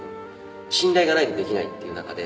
信頼がないとできないっていう中で。